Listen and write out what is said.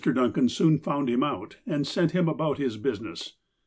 Duncan soon found him out, and sent him about his business.